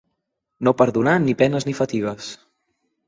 No perdonar ni penes ni fatigues.